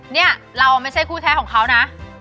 เนี่ยเราไม่ใช่คู่แท้ของเขานะ